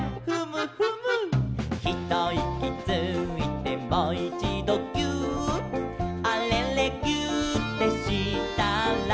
「ひといきついてもいちどぎゅーっ」「あれれぎゅーってしたら」